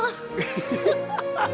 ハハハハ！